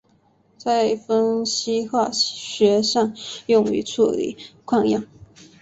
在分析化学上用于处理矿样。